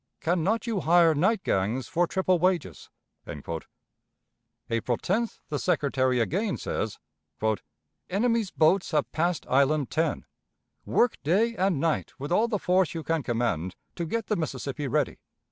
Can not you hire night gangs for triple wages?" April 10th the Secretary again says: "Enemy's boats have passed Island 10. Work day and night with all the force you can command to get the Mississippi ready.